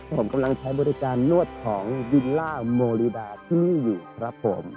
ผมกำลังใช้บริการนวดของวิลล่าโมริบาที่นี่อยู่ครับผม